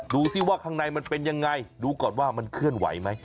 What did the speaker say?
ดูสิว่าข้างในมันเป็นยังไงดูก่อนว่ามันเคลื่อนไหวไหม